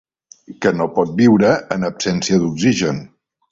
Que no pot viure en absència d'oxigen.